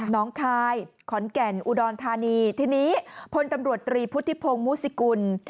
น้องคายขอนแก่นอุดรธานีทีนี้พลตำรวจตรีพุทธิพงศ์มุสิกุล